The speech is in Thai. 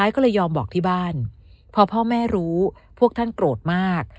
ก็เลยยอมบอกที่บ้านพอพ่อแม่รู้พวกท่านโกรธมาก